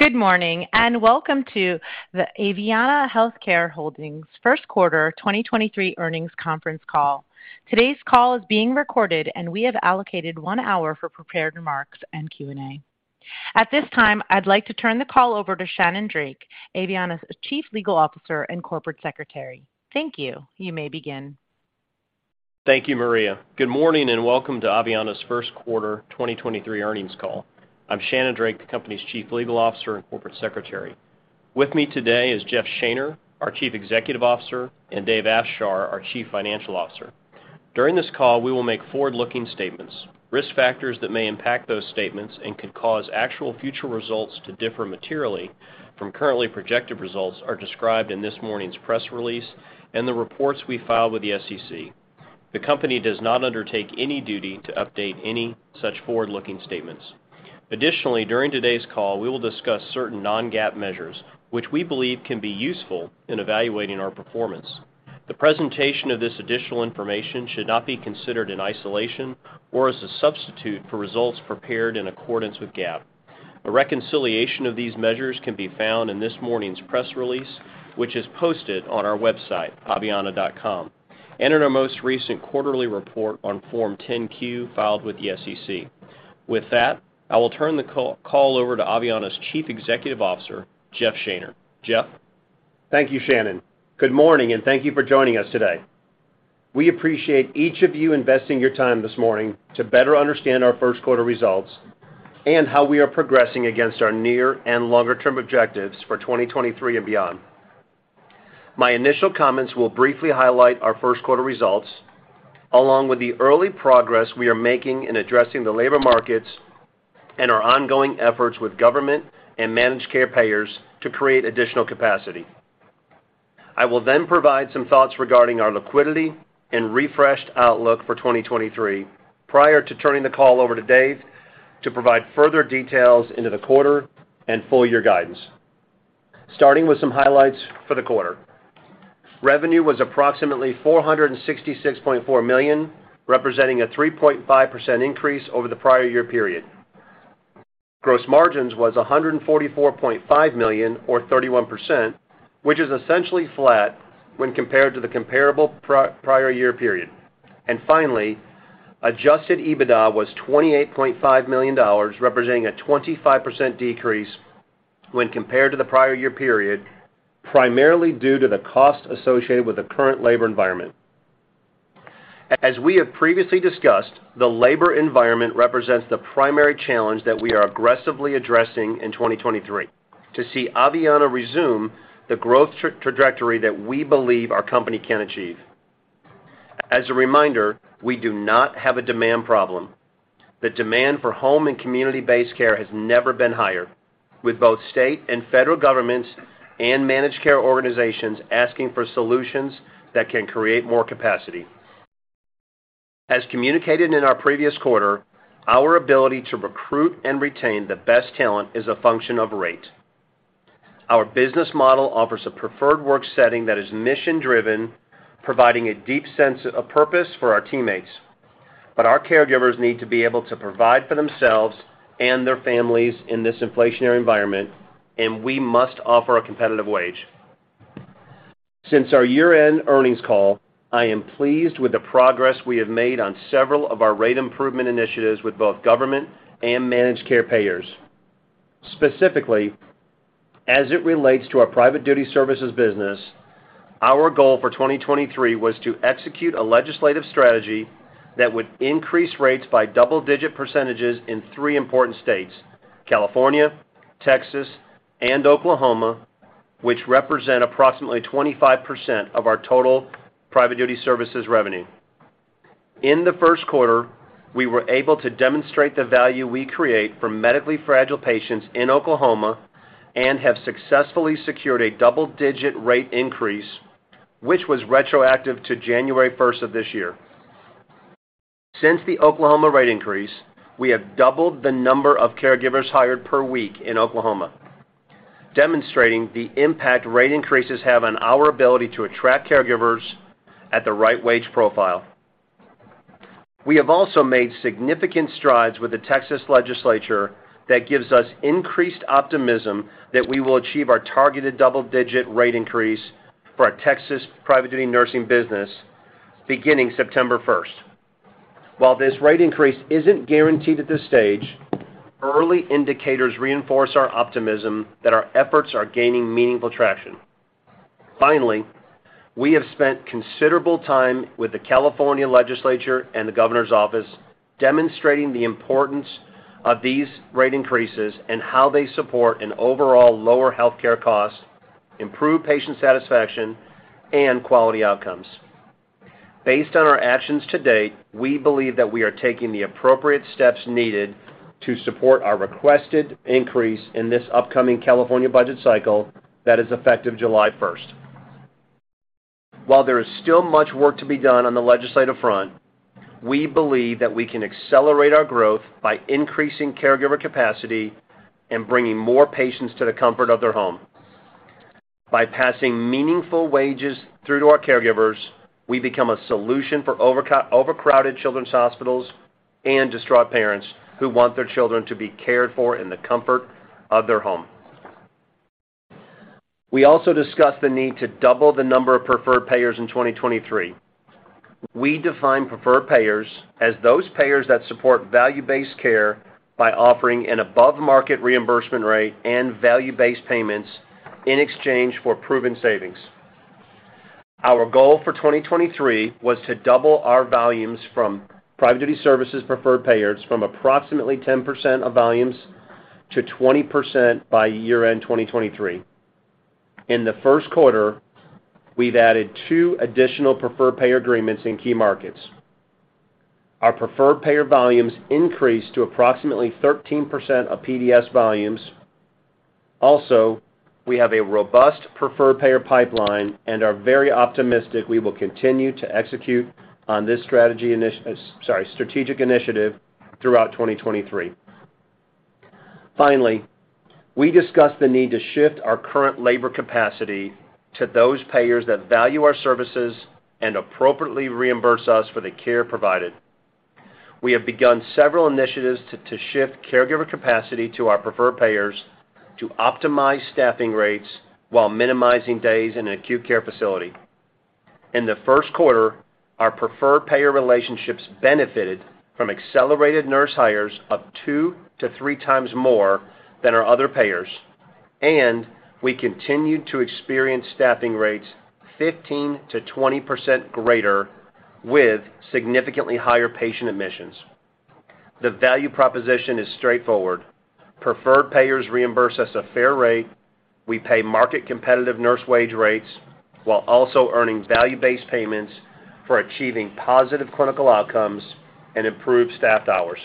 Good morning, welcome to the Aveanna Healthcare Holdings first quarter 2023 earnings conference call. Today's call is being recorded, and we have allocated one hour for prepared remarks and Q&A. At this time, I'd like to turn the call over to Shannon Drake, Aveanna's Chief Legal Officer and Corporate Secretary. Thank you. You may begin. Thank you, Maria. Good morning, and welcome to Aveanna's first quarter 2023 earnings call. I'm Shannon Drake, the company's Chief Legal Officer and Corporate Secretary. With me today is Jeff Shaner, our Chief Executive Officer, and Dave Afshar, our Chief Financial Officer. During this call, we will make forward-looking statements. Risk factors that may impact those statements and could cause actual future results to differ materially from currently projected results are described in this morning's press release and the reports we filed with the SEC. The company does not undertake any duty to update any such forward-looking statements. Additionally, during today's call, we will discuss certain non-GAAP measures, which we believe can be useful in evaluating our performance. The presentation of this additional information should not be considered in isolation or as a substitute for results prepared in accordance with GAAP. A reconciliation of these measures can be found in this morning's press release, which is posted on our website, aveanna.com, and in our most recent quarterly report on Form 10-Q filed with the SEC. I will turn the call over to Aveanna's Chief Executive Officer, Jeff Shaner. Jeff? Thank you, Shannon. Good morning, thank you for joining us today. We appreciate each of you investing your time this morning to better understand our first quarter results and how we are progressing against our near and longer-term objectives for 2023 and beyond. My initial comments will briefly highlight our first quarter results, along with the early progress we are making in addressing the labor markets and our ongoing efforts with government and managed care payers to create additional capacity. I will provide some thoughts regarding our liquidity and refreshed outlook for 2023 prior to turning the call over to Dave to provide further details into the quarter and full year guidance. Starting with some highlights for the quarter. Revenue was approximately $466.4 million, representing a 3.5% increase over the prior year period. Gross margins was $144.5 million or 31%, which is essentially flat when compared to the comparable prior year period. Finally, Adjusted EBITDA was $28.5 million, representing a 25% decrease when compared to the prior year period, primarily due to the cost associated with the current labor environment. As we have previously discussed, the labor environment represents the primary challenge that we are aggressively addressing in 2023 to see Aveanna resume the growth trajectory that we believe our company can achieve. As a reminder, we do not have a demand problem. The demand for home and community-based care has never been higher, with both state and federal governments and Managed Care Organizations asking for solutions that can create more capacity. As communicated in our previous quarter, our ability to recruit and retain the best talent is a function of rate. Our business model offers a preferred work setting that is mission-driven, providing a deep sense of purpose for our teammates. Our caregivers need to be able to provide for themselves and their families in this inflationary environment, and we must offer a competitive wage. Since our year-end earnings call, I am pleased with the progress we have made on several of our rate improvement initiatives with both government and managed care payers. Specifically, as it relates to our Private Duty Services business, our goal for 2023 was to execute a legislative strategy that would increase rates by double-digit % in three important states: California, Texas, and Oklahoma, which represent approximately 25% of our total Private Duty Services revenue. In the first quarter, we were able to demonstrate the value we create for medically fragile patients in Oklahoma and have successfully secured a double-digit rate increase, which was retroactive to January first of this year. Since the Oklahoma rate increase, we have doubled the number of caregivers hired per week in Oklahoma, demonstrating the impact rate increases have on our ability to attract caregivers at the right wage profile. We have also made significant strides with the Texas legislature that gives us increased optimism that we will achieve our targeted double-digit rate increase for our Texas private duty nursing business beginning September first. While this rate increase isn't guaranteed at this stage, early indicators reinforce our optimism that our efforts are gaining meaningful traction. We have spent considerable time with the California legislature and the governor's office demonstrating the importance of these rate increases and how they support an overall lower healthcare cost, improve patient satisfaction, and quality outcomes. Based on our actions to date, we believe that we are taking the appropriate steps needed to support our requested increase in this upcoming California budget cycle that is effective July 1st. While there is still much work to be done on the legislative front, we believe that we can accelerate our growth by increasing caregiver capacity and bringing more patients to the comfort of their home. By passing meaningful wages through to our caregivers, we become a solution for overcrowded children's hospitals and distraught parents who want their children to be cared for in the comfort of their home. We also discussed the need to double the number of preferred payers in 2023. We define preferred payers as those payers that support value-based care by offering an above-market reimbursement rate and value-based payments in exchange for proven savings. Our goal for 2023 was to double our volumes from Private Duty Services preferred payers from approximately 10% of volumes to 20% by year-end 2023. In the first quarter, we've added two additional preferred payer agreements in key markets. Our preferred payer volumes increased to approximately 13% of PDS volumes. We have a robust preferred payer pipeline and are very optimistic we will continue to execute on this strategic initiative throughout 2023. Finally, we discussed the need to shift our current labor capacity to those payers that value our services and appropriately reimburse us for the care provided. We have begun several initiatives to shift caregiver capacity to our preferred payers to optimize staffing rates while minimizing days in an acute care facility. In the first quarter, our preferred payer relationships benefited from accelerated nurse hires up 2-3 times more than our other payers. We continued to experience staffing rates 15%-20% greater with significantly higher patient admissions. The value proposition is straightforward. Preferred payers reimburse us a fair rate. We pay market competitive nurse wage rates while also earning value-based payments for achieving positive clinical outcomes and improved staff hours.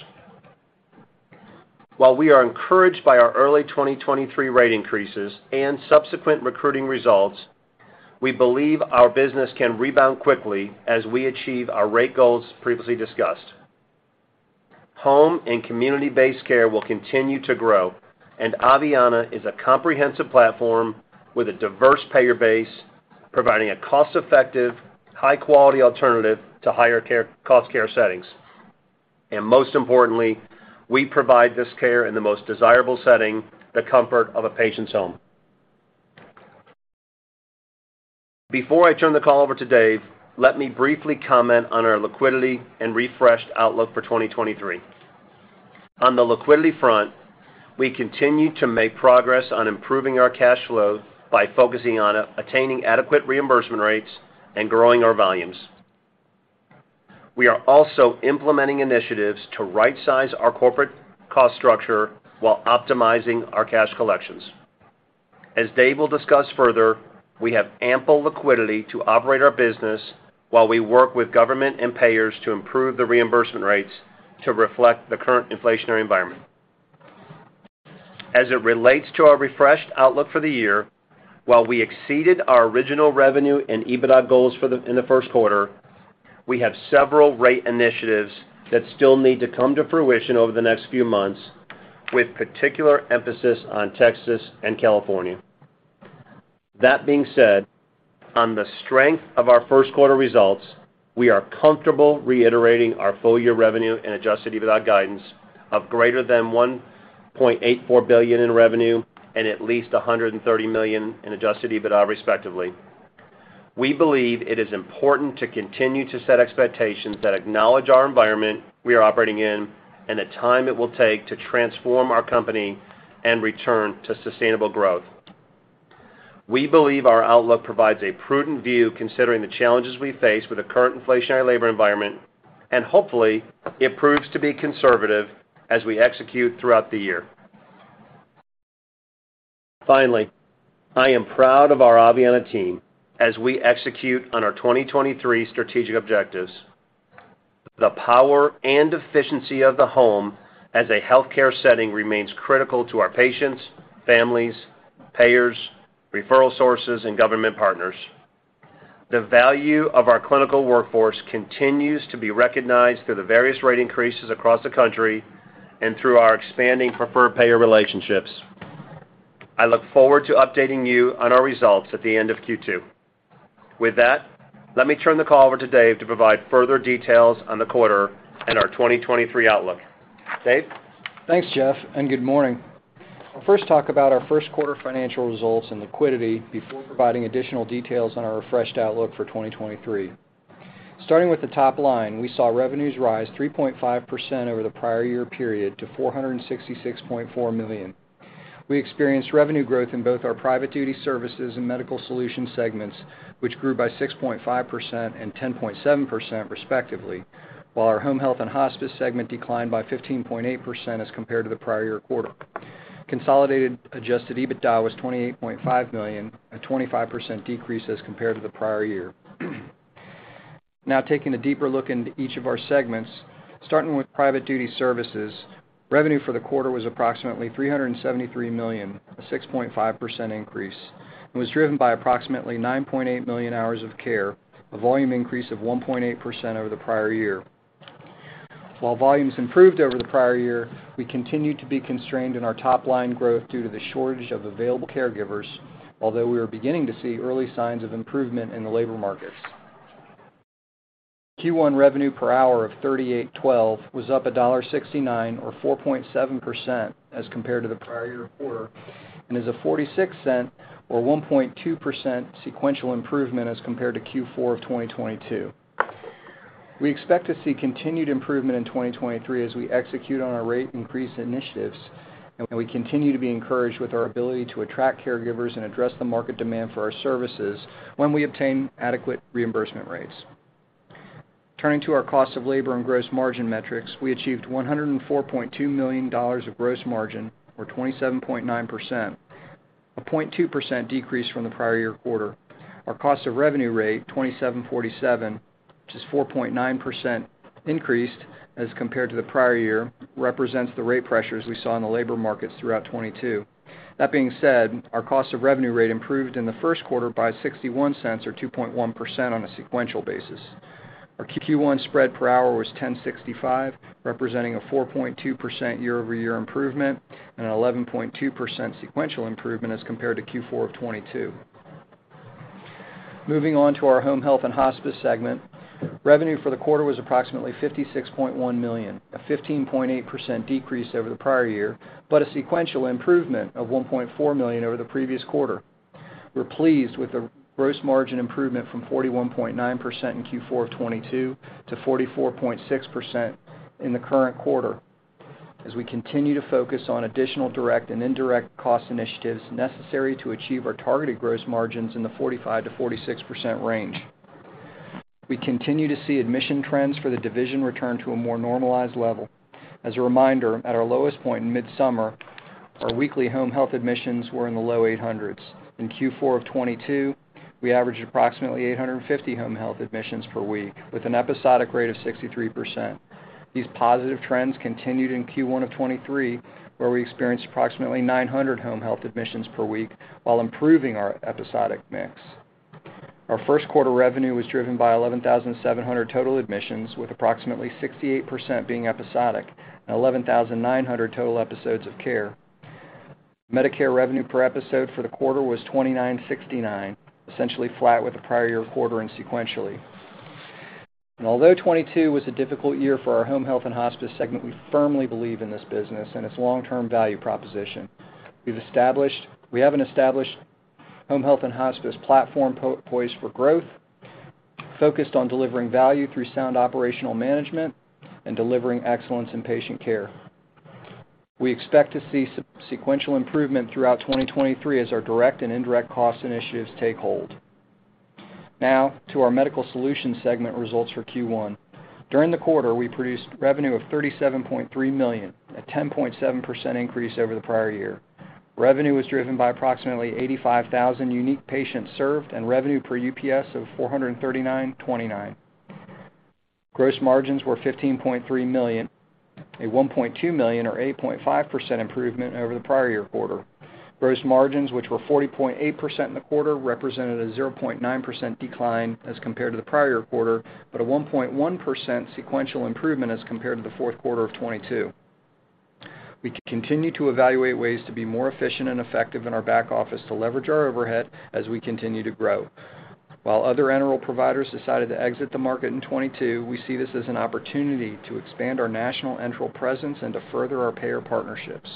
While we are encouraged by our early 2023 rate increases and subsequent recruiting results, we believe our business can rebound quickly as we achieve our rate goals previously discussed. Home and community-based care will continue to grow. Aveanna is a comprehensive platform with a diverse payer base, providing a cost-effective, high-quality alternative to higher care, cost care settings. Most importantly, we provide this care in the most desirable setting, the comfort of a patient's home. Before I turn the call over to Dave, let me briefly comment on our liquidity and refreshed outlook for 2023. On the liquidity front, we continue to make progress on improving our cash flow by focusing on attaining adequate reimbursement rates and growing our volumes. We are also implementing initiatives to rightsize our corporate cost structure while optimizing our cash collections. As Dave will discuss further, we have ample liquidity to operate our business while we work with government and payers to improve the reimbursement rates to reflect the current inflationary environment. As it relates to our refreshed outlook for the year, while we exceeded our original revenue and EBITDA goals in the first quarter, we have several rate initiatives that still need to come to fruition over the next few months, with particular emphasis on Texas and California. That being said, on the strength of our first quarter results, we are comfortable reiterating our full year revenue and Adjusted EBITDA guidance of greater than $1.84 billion in revenue and at least $130 million in Adjusted EBITDA, respectively. We believe it is important to continue to set expectations that acknowledge our environment we are operating in and the time it will take to transform our company and return to sustainable growth. We believe our outlook provides a prudent view considering the challenges we face with the current inflationary labor environment and hopefully it proves to be conservative as we execute throughout the year. I am proud of our Aveanna team as we execute on our 2023 strategic objectives. The power and efficiency of the home as a healthcare setting remains critical to our patients, families, payers, referral sources, and government partners. The value of our clinical workforce continues to be recognized through the various rate increases across the country and through our expanding preferred payer relationships. I look forward to updating you on our results at the end of Q2. Let me turn the call over to Dave to provide further details on the quarter and our 2023 outlook. Dave? Thanks, Jeff, and good morning. I'll first talk about our first quarter financial results and liquidity before providing additional details on our refreshed outlook for 2023. Starting with the top line, we saw revenues rise 3.5% over the prior year period to $466.4 million. We experienced revenue growth in both our Private Duty Services and Medical Solutions segments, which grew by 6.5% and 10.7% respectively, while our Home Health & Hospice segment declined by 15.8% as compared to the prior year quarter. Consolidated Adjusted EBITDA was $28.5 million, a 25% decrease as compared to the prior year. Taking a deeper look into each of our segments, starting with Private Duty Services, revenue for the quarter was approximately $373 million, a 6.5% increase, and was driven by approximately 9.8 million hours of care, a volume increase of 1.8% over the prior year. While volumes improved over the prior year, we continued to be constrained in our top-line growth due to the shortage of available caregivers, although we are beginning to see early signs of improvement in the labor markets. Q1 revenue per hour of $38.12 was up $1.69 or 4.7% as compared to the prior year quarter, and is a $0.46 or 1.2% sequential improvement as compared to Q4 of 2022. We expect to see continued improvement in 2023 as we execute on our rate increase initiatives. We continue to be encouraged with our ability to attract caregivers and address the market demand for our services when we obtain adequate reimbursement rates. Turning to our cost of labor and gross margin metrics, we achieved $104.2 million of gross margin or 27.9%, a 0.2% decrease from the prior year quarter. Our cost of revenue rate, $27.47, which is 4.9% increased as compared to the prior year, represents the rate pressures we saw in the labor markets throughout 2022. That being said, our cost of revenue rate improved in the first quarter by $0.61 or 2.1% on a sequential basis. Our Q1 spread per hour was $10.65, representing a 4.2% year-over-year improvement and an 11.2% sequential improvement as compared to Q4 of 2022. Moving on to our Home Health and Hospice segment. Revenue for the quarter was approximately $56.1 million, a 15.8% decrease over the prior year, but a sequential improvement of $1.4 million over the previous quarter. We're pleased with the gross margin improvement from 41.9% in Q4 of 2022 to 44.6% in the current quarter as we continue to focus on additional direct and indirect cost initiatives necessary to achieve our targeted gross margins in the 45%-46% range. We continue to see admission trends for the division return to a more normalized level. As a reminder, at our lowest point in midsummer, our weekly home health admissions were in the low 800s. In Q4 of 2022, we averaged approximately 850 home health admissions per week, with an episodic rate of 63%. These positive trends continued in Q1 of 2023, where we experienced approximately 900 home health admissions per week while improving our episodic mix. Our first quarter revenue was driven by 11,700 total admissions, with approximately 68% being episodic and 11,900 total episodes of care. Medicare revenue per episode for the quarter was $2,969 million, essentially flat with the prior year quarter and sequentially. Although 2022 was a difficult year for our Home Health & Hospice segment, we firmly believe in this business and its long-term value proposition. We have an established Home Health & Hospice platform poised for growth, focused on delivering value through sound operational management and delivering excellence in patient care. We expect to see some sequential improvement throughout 2023 as our direct and indirect cost initiatives take hold. Now, to our Medical Solutions segment results for Q1. During the quarter, we produced revenue of $37.3 million, a 10.7% increase over the prior year. Revenue was driven by approximately 85,000 unique patients served and revenue per UPS of $439.29. Gross margins were $15.3 million, a $1.2 million or 8.5% improvement over the prior year quarter. Gross margins, which were 40.8% in the quarter, represented a 0.9% decline as compared to the prior quarter, but a 1.1% sequential improvement as compared to the fourth quarter of 2022. We continue to evaluate ways to be more efficient and effective in our back office to leverage our overhead as we continue to grow. While other enteral providers decided to exit the market in 2022, we see this as an opportunity to expand our national enteral presence and to further our payer partnerships.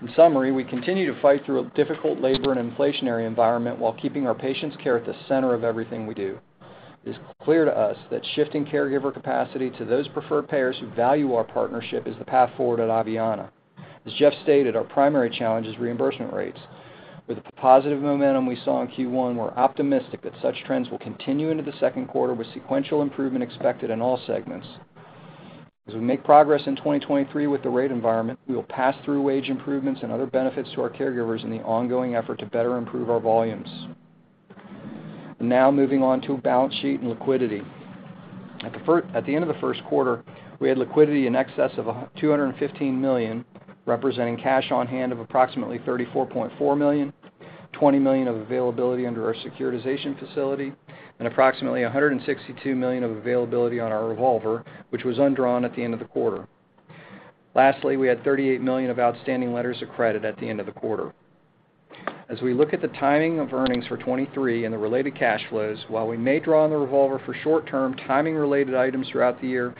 In summary, we continue to fight through a difficult labor and inflationary environment while keeping our patients' care at the center of everything we do. It is clear to us that shifting caregiver capacity to those preferred payers who value our partnership is the path forward at Aveanna. As Jeff stated, our primary challenge is reimbursement rates. With the positive momentum we saw in Q1, we're optimistic that such trends will continue into the second quarter with sequential improvement expected in all segments. As we make progress in 2023 with the rate environment, we will pass through wage improvements and other benefits to our caregivers in the ongoing effort to better improve our volumes. Now, moving on to balance sheet and liquidity. At the end of the first quarter, we had liquidity in excess of $215 million, representing cash on hand of approximately $34.4 million, $20 million of availability under our securitization facility, and approximately $162 million of availability on our revolver, which was undrawn at the end of the quarter. Lastly, we had $38 million of outstanding letters of credit at the end of the quarter. As we look at the timing of earnings for 2023 and the related cash flows, while we may draw on the revolver for short-term timing related items throughout the year,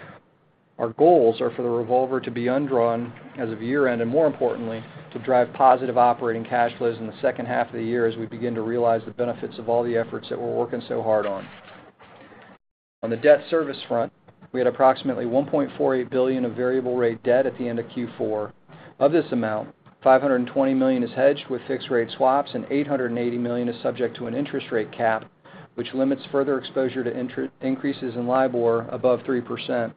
our goals are for the revolver to be undrawn as of year-end, and more importantly, to drive positive operating cash flows in the second half of the year as we begin to realize the benefits of all the efforts that we're working so hard on. On the debt service front, we had approximately $1.48 billion of variable rate debt at the end of Q4. Of this amount, $520 million is hedged with fixed rate swaps, and $880 million is subject to an interest rate cap, which limits further exposure to increases in LIBOR above 3%.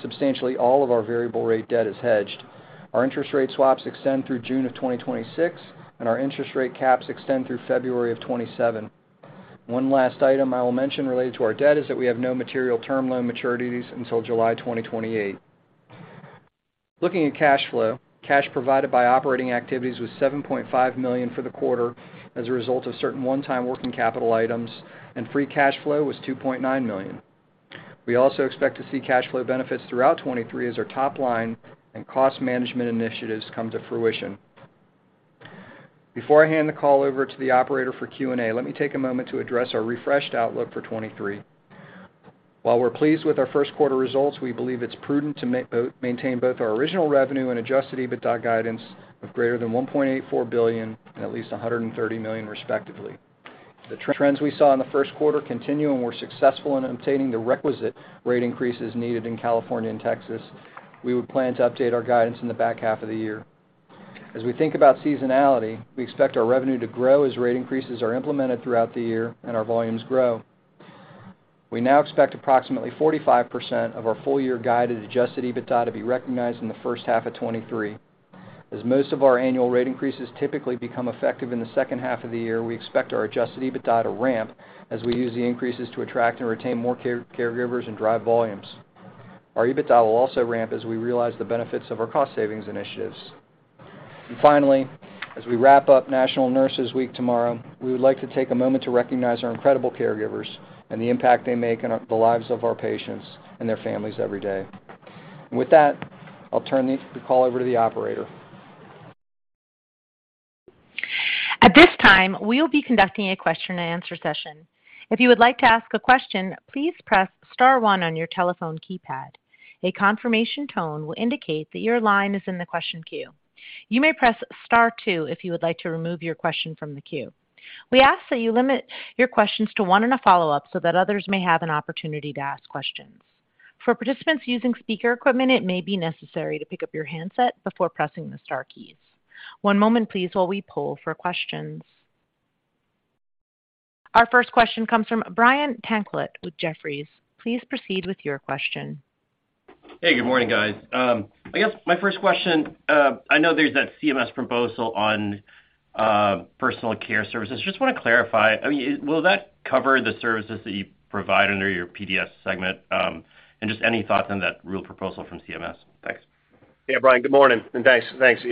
Substantially all of our variable rate debt is hedged. Our interest rate swaps extend through June of 2026, and our interest rate caps extend through February of 2027. One last item I will mention related to our debt is that we have no material term loan maturities until July 2028. Looking at cash flow, cash provided by operating activities was $7.5 million for the quarter as a result of certain one-time working capital items, and free cash flow was $2.9 million. We also expect to see cash flow benefits throughout 2023 as our top line and cost management initiatives come to fruition. Before I hand the call over to the operator for Q&A, let me take a moment to address our refreshed outlook for 2023. While we're pleased with our first quarter results, we believe it's prudent to maintain both our original revenue and Adjusted EBITDA guidance of greater than $1.84 billion and at least $130 million, respectively. The trends we saw in the first quarter continue, and we're successful in obtaining the requisite rate increases needed in California and Texas. We would plan to update our guidance in the back half of the year. As we think about seasonality, we expect our revenue to grow as rate increases are implemented throughout the year and our volumes grow. We now expect approximately 45% of our full-year guided Adjusted EBITDA to be recognized in the first half of 2023. As most of our annual rate increases typically become effective in the second half of the year, we expect our Adjusted EBITDA to ramp as we use the increases to attract and retain more caregivers and drive volumes. Our EBITDA will also ramp as we realize the benefits of our cost savings initiatives. Finally, as we wrap up National Nurses Week tomorrow, we would like to take a moment to recognize our incredible caregivers and the impact they make in the lives of our patients and their families every day. With that, I'll turn the call over to the operator. At this time, we will be conducting a question-and-answer session. If you would like to ask a question, please press star one on your telephone keypad. A confirmation tone will indicate that your line is in the question queue. You may press star two if you would like to remove your question from the queue. We ask that you limit your questions to one and a follow-up so that others may have an opportunity to ask questions. For participants using speaker equipment, it may be necessary to pick up your handset before pressing the star keys. One moment please while we poll for questions. Our first question comes from Brian Tanquilut with Jefferies. Please proceed with your question. Hey, good morning, guys. I guess my first question, I know there's that CMS proposal on personal care services. Just wanna clarify, I mean, will that cover the services that you provide under your PDS segment? Just any thoughts on that rule proposal from CMS? Thanks. Brian, good morning, and thanks. Thanks.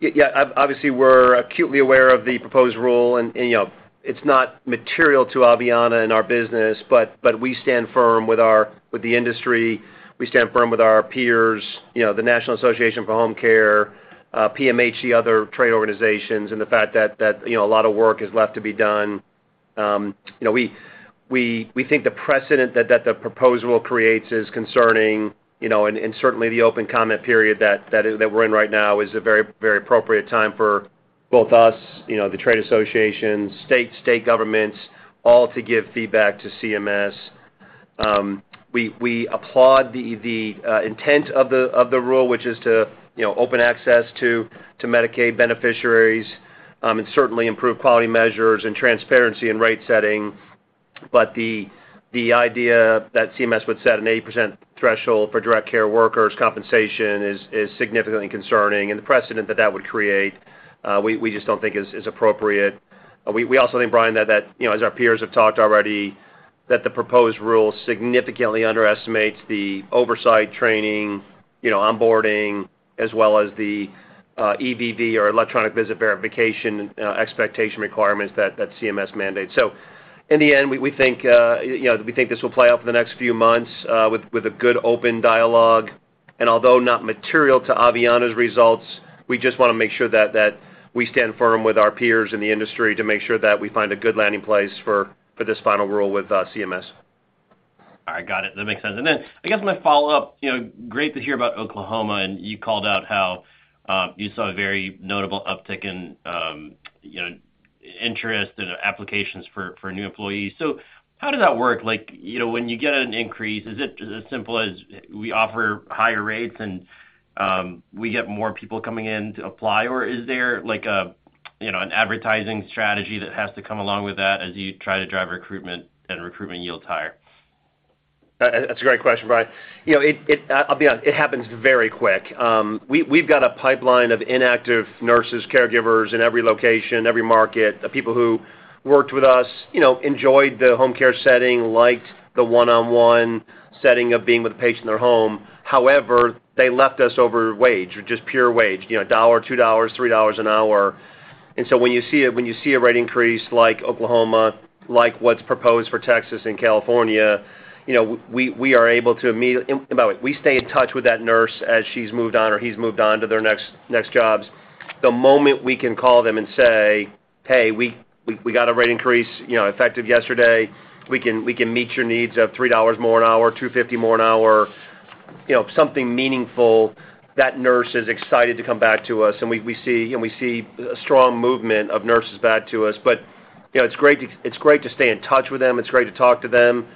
Yeah, obviously, we're acutely aware of the proposed rule, and, you know, it's not material to Aveanna and our business, but we stand firm with the industry, we stand firm with our peers, you know, the National Association for Home Care, PMHC, the other trade organizations, and the fact that, you know, a lot of work is left to be done. You know, we think the precedent that the proposal creates is concerning, you know, and certainly the open comment period that is, that we're in right now is a very, very appropriate time for both us, you know, the trade associations, states, state governments, all to give feedback to CMS. We applaud the intent of the rule, which is to, you know, open access to Medicaid beneficiaries and certainly improve quality measures and transparency and rate setting. The idea that CMS would set an 80% threshold for direct care workers compensation is significantly concerning, and the precedent that would create, we just don't think is appropriate. We also think, Brian, that, you know, as our peers have talked already, that the proposed rule significantly underestimates the oversight training, you know, onboarding, as well as the EVV or electronic visit verification expectation requirements that CMS mandates. In the end, we think, you know, we think this will play out for the next few months with a good open dialogue. Although not material to Aveanna's results, we just wanna make sure that we stand firm with our peers in the industry to make sure that we find a good landing place for this final rule with CMS. All right. Got it. That makes sense. I guess my follow-up, you know, great to hear about Oklahoma. You called out how you saw a very notable uptick in, you know, interest and applications for new employees. How does that work? Like, you know, when you get an increase, is it as simple as we offer higher rates and we get more people coming in to apply, or is there like a, you know, an advertising strategy that has to come along with that as you try to drive recruitment and recruitment yield higher? That's a great question, Brian. You know, it I'll be honest, it happens very quick. We've got a pipeline of inactive nurses, caregivers in every location, every market, people who worked with us, you know, enjoyed the home care setting, liked the one-on-one setting of being with a patient in their home. They left us over wage, or just pure wage, you know, $1, $2, $3 an hour. When you see a rate increase like Oklahoma, like what's proposed for Texas and California, you know, we are able to and by the way, we stay in touch with that nurse as she's moved on or he's moved on to their next jobs. The moment we can call them and say, "Hey, we got a rate increase, you know, effective yesterday. We can meet your needs of $3 million more an hour, $2.50 million more an hour." you know, something meaningful, that nurse is excited to come back to us, and we see, you know, we see a strong movement of nurses back to us. You know, it's great to stay in touch with them. It's great to talk to them.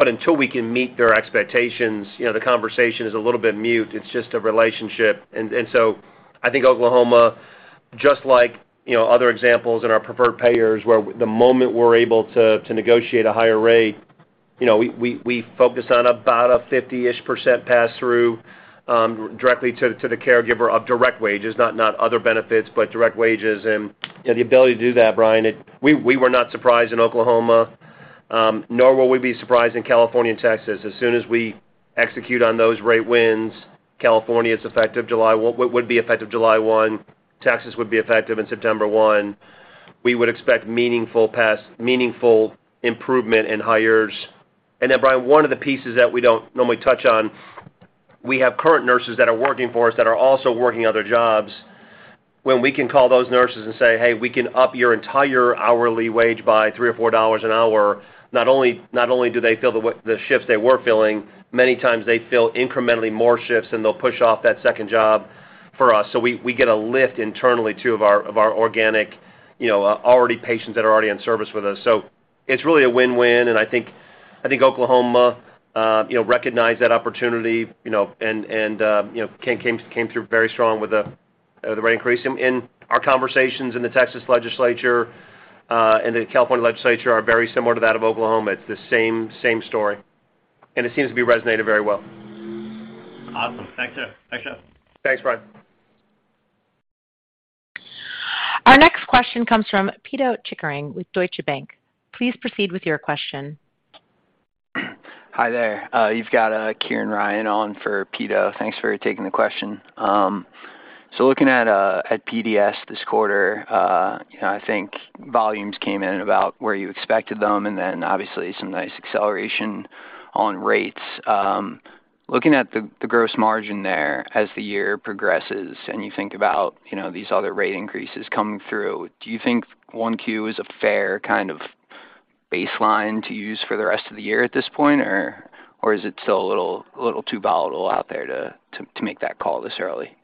Until we can meet their expectations, you know, the conversation is a little bit mute. It's just a relationship. I think Oklahoma, just like, you know, other examples in our preferred payers, where the moment we're able to negotiate a higher rate, you know, we focus on about a 58% pass-through directly to the caregiver of direct wages, not other benefits, but direct wages. You know, the ability to do that, Brian, We were not surprised in Oklahoma. Nor will we be surprised in California and Texas. As soon as we execute on those rate wins, California, it's effective July 1. Texas would be effective in September 1. We would expect meaningful improvement in hires. Then Brian, one of the pieces that we don't normally touch on, we have current nurses that are working for us that are also working other jobs. When we can call those nurses and say, "Hey, we can up your entire hourly wage by $3 or $4 an hour," not only do they fill the shifts they were filling, many times they fill incrementally more shifts, and they'll push off that second job for us. We get a lift internally too of our organic, you know, already patients that are already in service with us. It's really a win-win, and I think Oklahoma, you know, recognized that opportunity, you know, and, you know, came through very strong with the rate increase. In our conversations in the Texas legislature, and the California legislature are very similar to that of Oklahoma. It's the same story. It seems to be resonating very well. Awesome. Thanks, Jeff. Thanks, Brian. Our next question comes from Pito Chickering with Deutsche Bank. Please proceed with your question. Hi there. You've got Kieran Ryan on for Pito Chickering. Thanks for taking the question. Looking at PDS this quarter, you know, I think volumes came in about where you expected them, and then obviously some nice acceleration on rates. Looking at the gross margin there as the year progresses and you think about, you know, these other rate increases coming through, do you think 1Q is a fair kind of baseline to use for the rest of the year at this point, or is it still a little too volatile out there to make that call this early?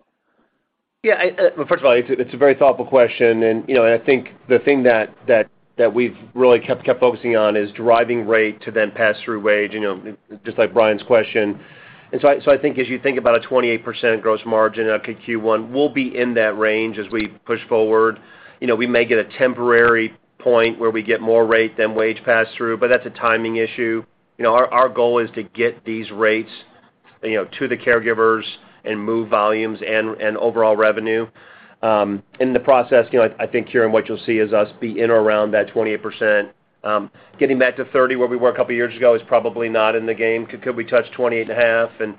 Yeah, I, well, first of all, it's a very thoughtful question. You know, and I think the thing that we've really kept focusing on is driving rate to then pass through wage, you know, just like Brian's question. I think as you think about a 28% gross margin on Q1, we'll be in that range as we push forward. You know, we may get a temporary point where we get more rate than wage pass-through, but that's a timing issue. You know, our goal is to get these rates, you know, to the caregivers and move volumes and overall revenue. In the process, you know, I think, Kieran, what you'll see is us be in or around that 28%. Getting back to 30 where we were a couple of years ago is probably not in the game. Could we touch 28.5?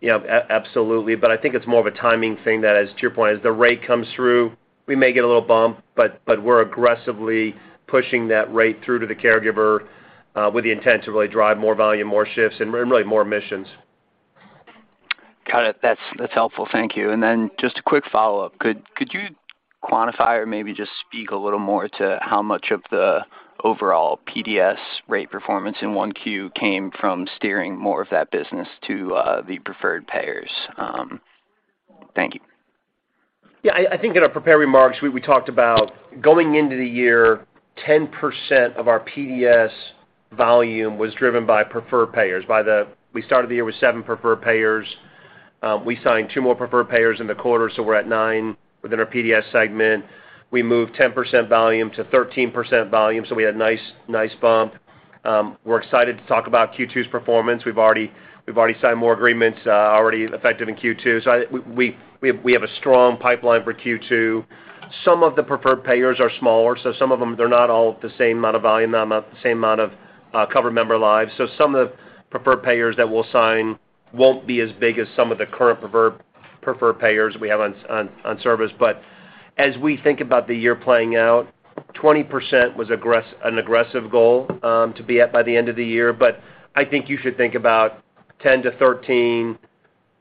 You know, absolutely. I think it's more of a timing thing that as, to your point, as the rate comes through, we may get a little bump, but we're aggressively pushing that rate through to the caregiver with the intent to really drive more volume, more shifts, and really more missions. Got it. That's helpful. Thank you. Then just a quick follow-up. Could you quantify or maybe just speak a little more to how much of the overall PDS rate performance in 1Q came from steering more of that business to the preferred payers? Thank you. I think in our prepared remarks, we talked about going into the year, 10% of our PDS volume was driven by preferred payers. We started the year with seven preferred payers. We signed two more preferred payers in the quarter, so we're at nine within our PDS segment. We moved 10% volume to 13% volume, so we had a nice bump. We're excited to talk about Q2's performance. We've already signed more agreements already effective in Q2. We have a strong pipeline for Q2. Some of the preferred payers are smaller, so some of them, they're not all the same amount of volume, not the same amount of covered member lives. Some of the preferred payers that we'll sign won't be as big as some of the current preferred payers we have on service. As we think about the year playing out, 20% was an aggressive goal to be at by the end of the year. I think you should think about 10%-13%,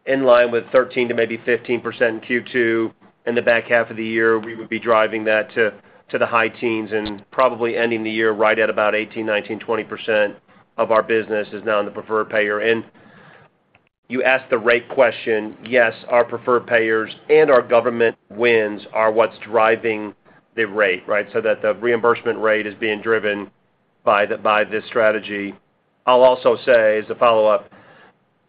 in line with 13%-15% in Q2. In the back half of the year, we would be driving that to the high teens and probably ending the year right at about 18%, 19%, 20% of our business is now in the preferred payer. You asked the rate question. Yes, our preferred payers and our government wins are what's driving the rate, right? That the reimbursement rate is being driven by this strategy. I'll also say as a follow-up,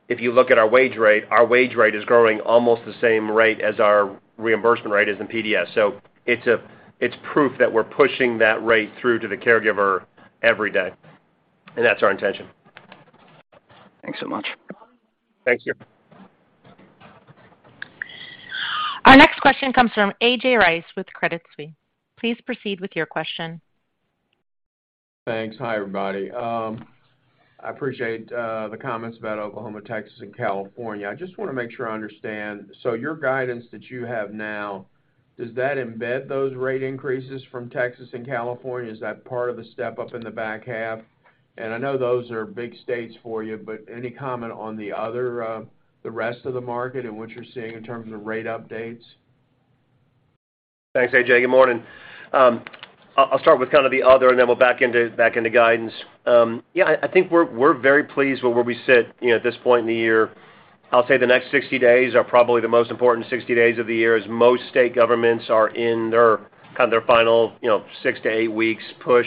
if you look at our wage rate, our wage rate is growing almost the same rate as our reimbursement rate is in PDS. It's proof that we're pushing that rate through to the caregiver every day. That's our intention. Thanks so much. Thank you. Our next question comes from A.J. Rice with Credit Suisse. Please proceed with your question. Thanks. Hi, everybody. I appreciate the comments about Oklahoma, Texas, and California. I just wanna make sure I understand. Your guidance that you have now, does that embed those rate increases from Texas and California? Is that part of the step up in the back half? I know those are big states for you, but any comment on the other, the rest of the market and what you're seeing in terms of rate updates? Thanks, A.J. Good morning. I'll start with kind of the other, then we'll back into guidance. I think we're very pleased with where we sit, you know, at this point in the year. I'll say the next 60 days are probably the most important 60 days of the year, as most state governments are in their, kind of their final, you know, 6 to 8 weeks push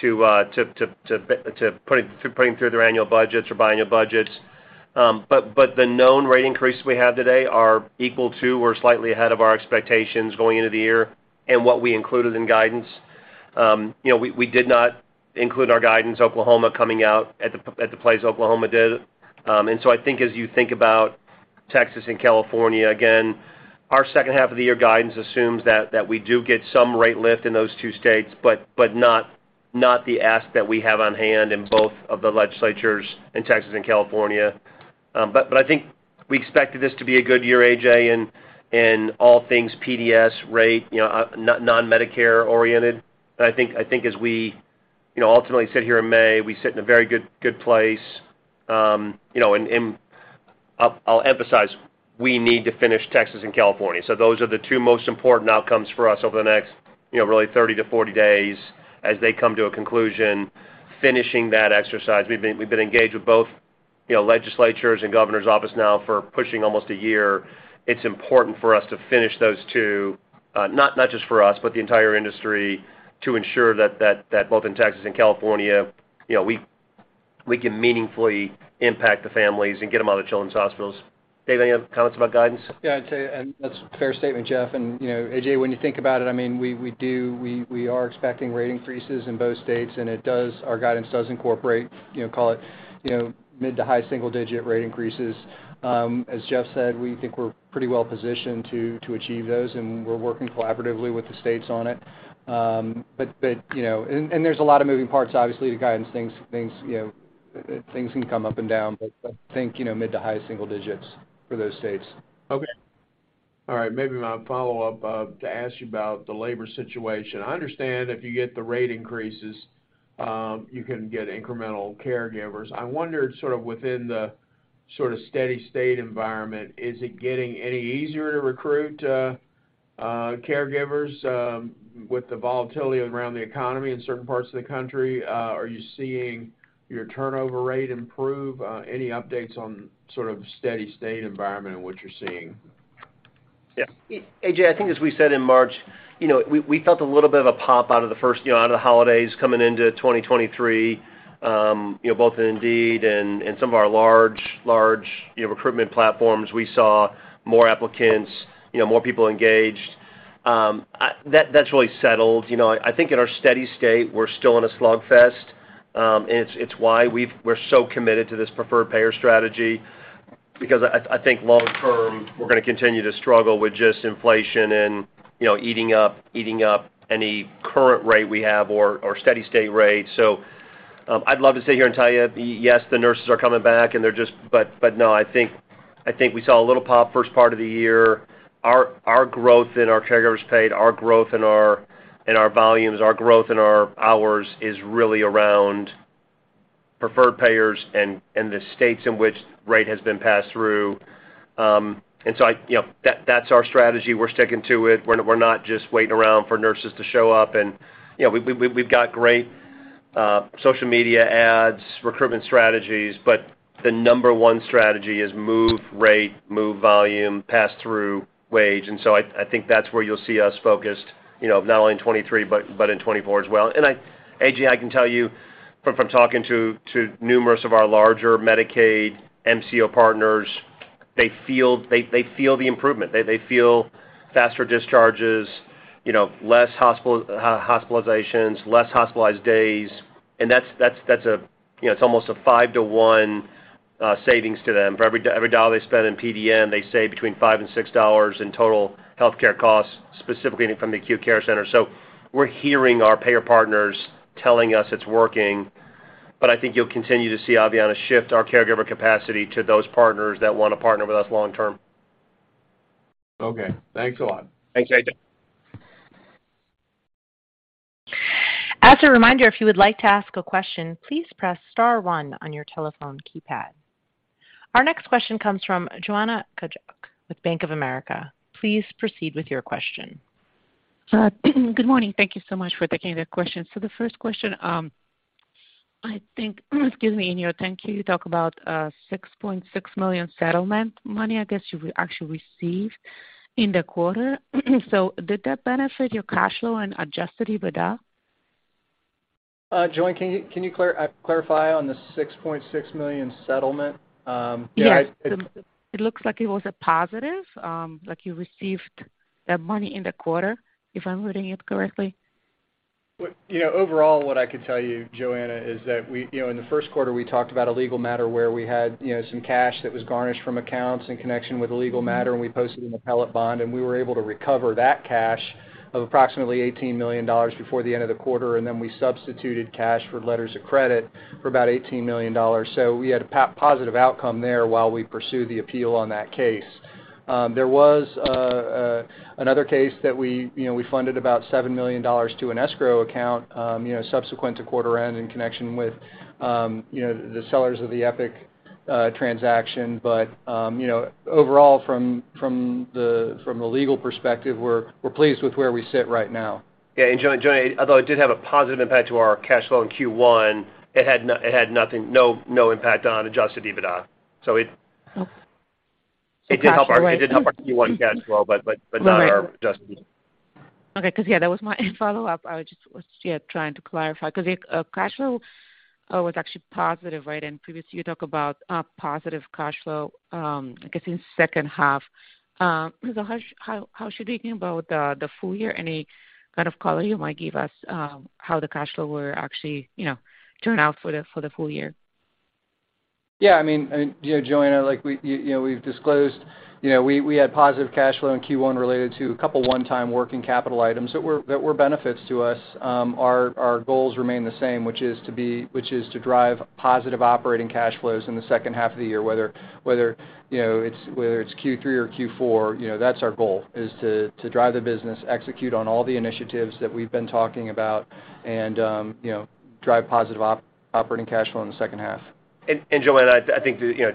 to putting through their annual budgets or bi-annual budgets. But the known rate increases we have today are equal to or slightly ahead of our expectations going into the year, what we included in guidance. You know, we did not include in our guidance Oklahoma coming out at the place Oklahoma did. I think as you think about Texas and California. Again, our second half of the year guidance assumes that we do get some rate lift in those two states, but not the ask that we have on hand in both of the legislatures in Texas and California. I think we expected this to be a good year, A.J., in all things PDS rate, you know, non-Medicare oriented. I think as we, you know, ultimately sit here in May, we sit in a very good place. You know, I'll emphasize, we need to finish Texas and California. Those are the two most important outcomes for us over the next, you know, really 30 to 40 days as they come to a conclusion, finishing that exercise. We've been engaged with both, you know, legislatures and governor's office now for pushing almost a year. It's important for us to finish those two, not just for us, but the entire industry to ensure that both in Texas and California, you know, we can meaningfully impact the families and get them out of children's hospitals. Dave, any comments about guidance? Yeah, I'd say, and that's a fair statement, Jeff. You know, A.J., when you think about it, I mean, we are expecting rate increases in both states, and our guidance does incorporate, you know, call it, you know, mid to high single-digit rate increases. As Jeff said, we think we're pretty well positioned to achieve those, and we're working collaboratively with the states on it. You know, there's a lot of moving parts, obviously, to guidance things, you know, things can come up and down. Think, you know, mid to high single digits for those states. Okay. All right. Maybe my follow-up to ask you about the labor situation. I understand if you get the rate increases, you can get incremental caregivers. I wondered sort of within the sort of steady state environment, is it getting any easier to recruit caregivers with the volatility around the economy in certain parts of the country? Are you seeing your turnover rate improve? Any updates on sort of steady state environment and what you're seeing? A.J. Rice, I think as we said in March, you know, we felt a little bit of a pop out of the first, you know, out of the holidays coming into 2023, you know, both in Indeed and some of our large recruitment platforms. We saw more applicants, you know, more people engaged. That's really settled. You know, I think in our steady state, we're still in a slugfest, it's why we're so committed to this preferred payer strategy because I think long term, we're gonna continue to struggle with just inflation and, you know, eating up any current rate we have or steady state rate. I'd love to sit here and tell you, yes, the nurses are coming back and they're just... No, I think we saw a little pop first part of the year. Our growth in our caregivers paid, our growth in our volumes, our growth in our hours is really around preferred payers and the states in which rate has been passed through. I, you know, that's our strategy. We're sticking to it. We've got great social media ads, recruitment strategies, but the number one strategy is move rate, move volume, pass through wage. I think that's where you'll see us focused, you know, not only in 2023, but in 2024 as well. AJ, I can tell you from talking to numerous of our larger Medicaid MCO partners, they feel the improvement. They feel faster discharges, you know, less hospitalizations, less hospitalized days. That's, that's a, you know, it's almost a five to one savings to them. For every dollar they spend in PDN, they save between $5 million and $6 million in total healthcare costs, specifically from the acute care center. We're hearing our payer partners telling us it's working, but I think you'll continue to see Aveanna shift our caregiver capacity to those partners that wanna partner with us long term. Okay. Thanks a lot. Thanks, AJ. As a reminder, if you would like to ask a question, please press star one on your telephone keypad. Our next question comes from Joanna Gajuk with Bank of America. Please proceed with your question. Good morning. Thank you so much for taking the questions. The first question, I think, excuse me, in your thank you talk about, $6.6 million settlement money I guess you actually received in the quarter. Did that benefit your cash flow and Adjusted EBITDA? Joanna, can you clarify on the $6.6 million settlement? Yeah. Yes. It looks like it was a positive, like you received that money in the quarter, if I'm reading it correctly. Well, you know, overall, what I could tell you, Joanna, is that we, you know, in the first quarter, we talked about a legal matter where we had, you know, some cash that was garnished from accounts in connection with a legal matter, and we posted an appellate bond, and we were able to recover that cash of approximately $18 million before the end of the quarter. We substituted cash for letters of credit for about $18 million. We had a positive outcome there while we pursue the appeal on that case. There was another case that we, you know, we funded about $7 million to an escrow account, you know, subsequent to quarter end in connection with, you know, the sellers of the Epic transaction. you know, overall from the legal perspective, we're pleased with where we sit right now. Yeah. Joanna, although it did have a positive impact to our cash flow in Q1, it had no impact on Adjusted EBITDA. Okay. It did help our Q1 cash flow, but not our Adjusted EBITDA. Okay, because yeah, that was my follow-up. I just was, yeah, trying to clarify because if cash flow was actually positive, right? Previously you talked about a positive cash flow, I guess in second half. How should we think about the full year? Any kind of color you might give us how the cash flow will actually, you know, turn out for the full year? You know, Joanna, like we, you know, we've disclosed, you know, we had positive cash flow in Q1 related to a couple one-time working capital items that were benefits to us. Our goals remain the same, which is to drive positive operating cash flows in the second half of the year, whether, you know, it's Q3 or Q4, you know, that's our goal, is to drive the business, execute on all the initiatives that we've been talking about, and, you know, drive positive operating cash flow in the second half. Joanna, I think that, you know,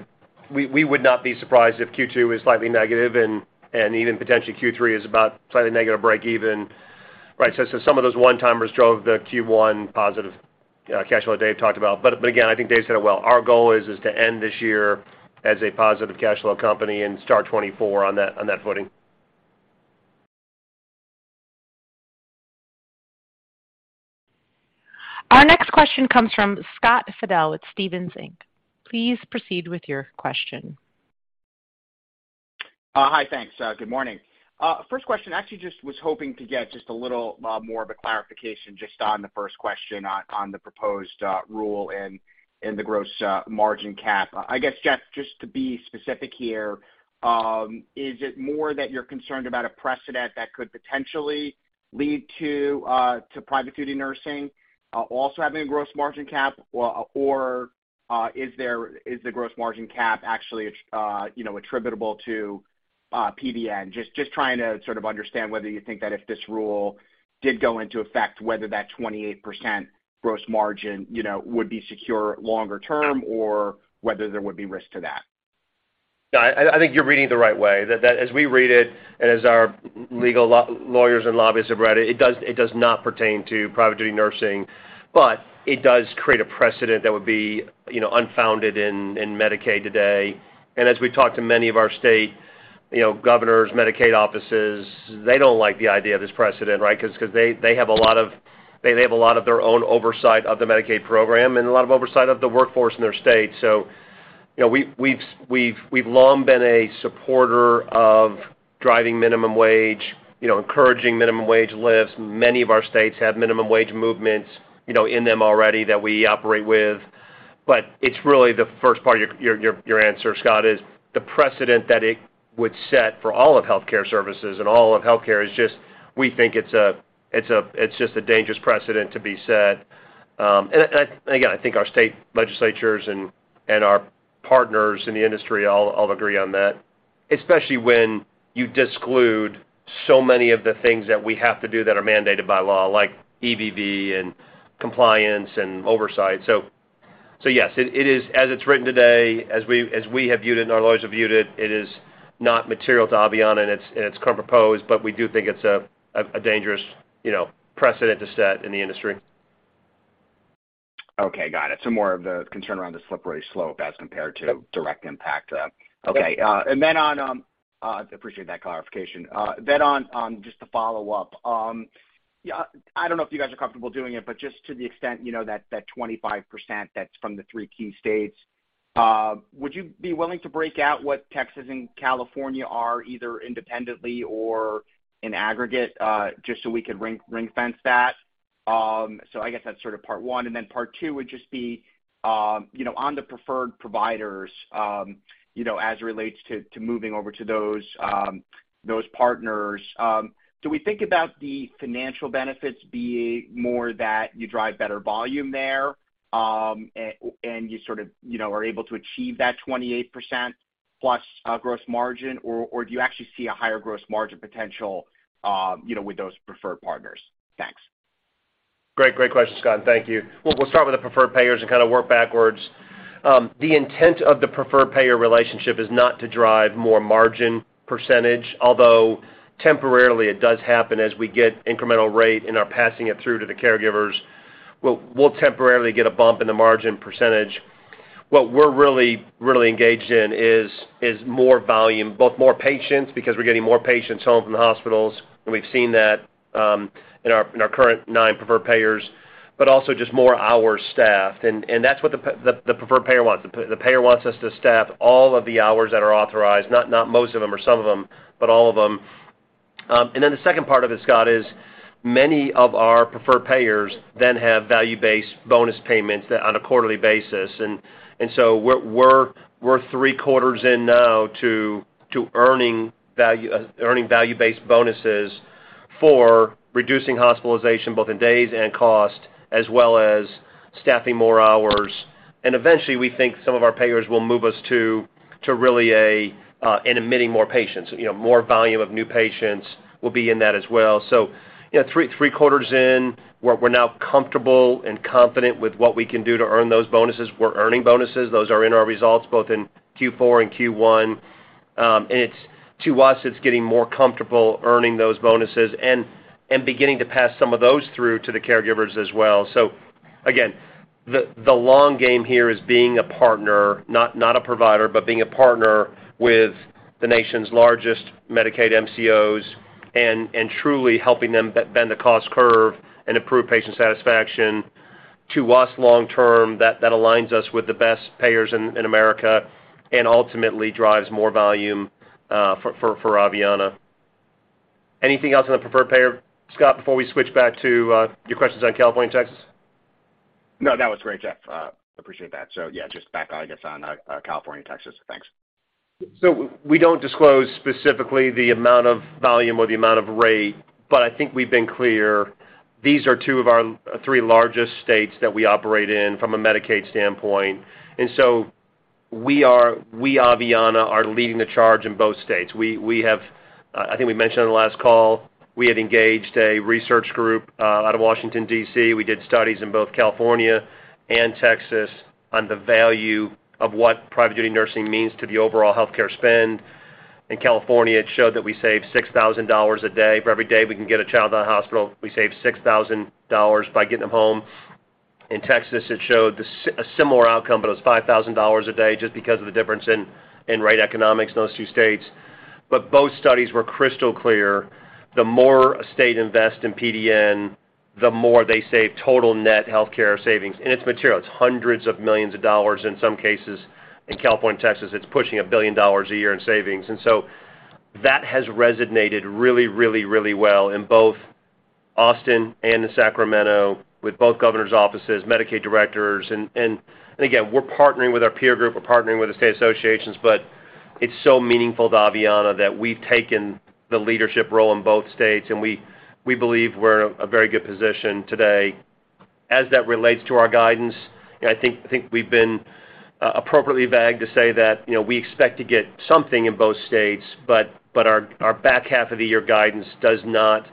we would not be surprised if Q2 is slightly negative even potentially Q3 is about slightly negative or break even, right? Some of those one-timers drove the Q1 positive cash flow Dave talked about. Again, I think Dave said it well. Our goal is to end this year as a positive cash flow company and start 2024 on that footing. Our next question comes from Scott Fidel with Stephens Inc. Please proceed with your question. Hi. Thanks. Good morning. First question, actually just was hoping to get just a little more of a clarification just on the first question on the proposed rule and the gross margin cap. I guess, Jeff, just to be specific here, is it more that you're concerned about a precedent that could potentially lead to Private Duty Nursing also having a gross margin cap or is there is the gross margin cap actually attributable to PDN? Just trying to sort of understand whether you think that if this rule did go into effect, whether that 28% gross margin, you know, would be secure longer term or whether there would be risk to that. No, I think you're reading it the right way. That as we read it and as our legal lawyers and lobbyists have read it does not pertain to Private Duty Nursing, but it does create a precedent that would be, you know, unfounded in Medicaid today. As we talk to many of our state, you know, governors, Medicaid offices, they don't like the idea of this precedent, right? Because they have a lot of their own oversight of the Medicaid program and a lot of oversight of the workforce in their state. You know, we've long been a supporter of driving minimum wage, you know, encouraging minimum wage lifts. Many of our states have minimum wage movements, you know, in them already that we operate with. It's really the first part of your answer, Scott Fidel, is the precedent that it would set for all of healthcare services and all of healthcare is just, we think it's just a dangerous precedent to be set. And again, I think our state legislatures and our partners in the industry all agree on that, especially when you disclude so many of the things that we have to do that are mandated by law, like EVV and compliance and oversight. So yes, it is as it's written today, as we have viewed it and our lawyers have viewed it is not material to Aveanna and its current proposed, but we do think it's a dangerous, you know, precedent to set in the industry. Okay. Got it. More of the concern around the slippery slope as compared to. Yep. direct impact. Yep. Okay. Appreciate that clarification. Just to follow up, I don't know if you guys are comfortable doing it, but just to the extent, you know, that 25% that's from the three key states, would you be willing to break out what Texas and California are, either independently or in aggregate, just so we could ring-fence that? I guess that's sort of part one. Part two would just be, you know, on the preferred providers, you know, as it relates to moving over to those partners, do we think about the financial benefits being more that you drive better volume there, and you sort of, you know, are able to achieve that 28% plus gross margin, or do you actually see a higher gross margin potential, you know, with those preferred partners? Thanks. Great. Great question, Scott. Thank you. We'll start with the preferred payers and kind of work backwards. The intent of the preferred payer relationship is not to drive more margin percentage, although temporarily it does happen as we get incremental rate and are passing it through to the caregivers. We'll temporarily get a bump in the margin percentage. What we're really engaged in is more volume, both more patients, because we're getting more patients home from the hospitals, and we've seen that in our current 9 preferred payers, but also just more hour staffed. That's what the preferred payer wants. The payer wants us to staff all of the hours that are authorized, not most of them or some of them, but all of them. The second part of it, Scott, is many of our preferred payers then have value-based bonus payments on a quarterly basis. So we're three quarters in now to earning value, earning value-based bonuses for reducing hospitalization, both in days and cost, as well as staffing more hours. Eventually, we think some of our payers will move us to really a, in admitting more patients. You know, more volume of new patients will be in that as well. You know, three quarters in, we're now comfortable and confident with what we can do to earn those bonuses. We're earning bonuses. Those are in our results both in Q4 and Q1. It's, to us, it's getting more comfortable earning those bonuses and beginning to pass some of those through to the caregivers as well. Again, the long game here is being a partner, not a provider, but being a partner with the nation's largest Medicaid MCOs and truly helping them bend the cost curve and improve patient satisfaction. To us, long term, that aligns us with the best payers in America and ultimately drives more volume for Aveanna. Anything else on the preferred payer, Scott, before we switch back to your questions on California and Texas? No, that was great, Jeff. Appreciate that. Yeah, just back I guess on California and Texas. Thanks. We don't disclose specifically the amount of volume or the amount of rate, but I think we've been clear. These are two of our three largest states that we operate in from a Medicaid standpoint. We, Aveanna, are leading the charge in both states. We have, I think we mentioned on the last call, we have engaged a research group out of Washington, D.C. We did studies in both California and Texas on the value of what Private Duty Nursing means to the overall healthcare spend. In California, it showed that we save $6,000 a day. For every day we can get a child out of hospital, we save $6,000 by getting them home. In Texas, it showed a similar outcome, but it was $5,000 a day just because of the difference in rate economics in those two states. Both studies were crystal clear. The more a state invest in PDN, the more they save total net healthcare savings. It's material. It's hundreds of millions of dollars. In some cases, in California and Texas, it's pushing $1 billion a year in savings. That has resonated really, really, really well in both Austin and in Sacramento with both governor's offices, Medicaid directors. Again, we're partnering with our peer group, we're partnering with the state associations, but it's so meaningful to Aveanna that we've taken the leadership role in both states, and we believe we're in a very good position today. As that relates to our guidance, I think we've been appropriately vague to say that, you know, we expect to get something in both states, but our back half of the year guidance does not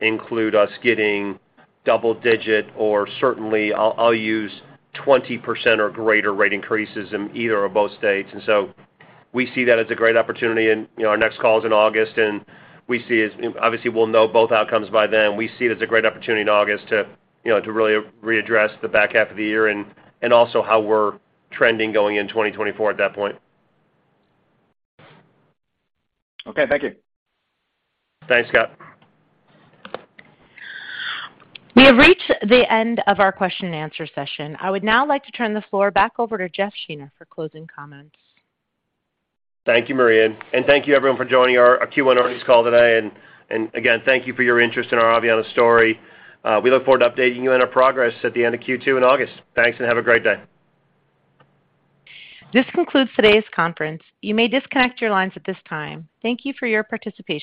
include us getting double digit or certainly I'll use 20% or greater rate increases in either or both states. We see that as a great opportunity. You know, our next call is in August. We see it. Obviously, we'll know both outcomes by then. We see it as a great opportunity in August to, you know, to really readdress the back half of the year and also how we're trending going in 2024 at that point. Okay. Thank you. Thanks, Scott. We have reached the end of our question and answer session. I would now like to turn the floor back over to Jeff Shaner for closing comments. Thank you, Maria. Thank you everyone for joining our Q1 earnings call today. Again, thank you for your interest in our Aveanna story. We look forward to updating you on our progress at the end of Q2 in August. Thanks, have a great day. This concludes today's conference. You may disconnect your lines at this time. Thank you for your participation.